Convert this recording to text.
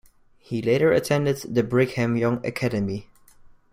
He later attended the Brigham Young Academy.